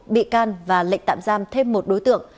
bị can và lệnh tạm giam thêm một đối tượng